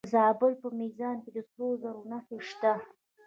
د زابل په میزانه کې د سرو زرو نښې شته.